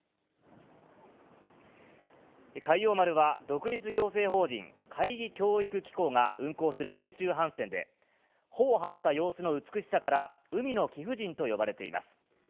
海王丸は、独立行政法人海技教育機構が運航する練習帆船で、帆を張った様子の美しさから、海の貴婦人と呼ばれています。